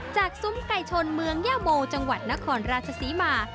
ซุ้มไก่ชนเมืองย่าโมจังหวัดนครราชศรีมา